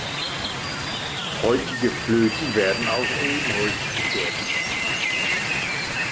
Heutige Flöten werden aus Ebenholz gefertigt.